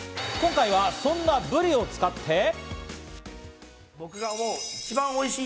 今回はそんなブリを使って。